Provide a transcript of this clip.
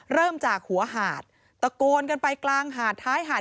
เริ่มจากหัวหาดตะโกนกันไปกลางหาดท้ายหาด